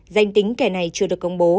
danh tính kẻ này chưa được công bố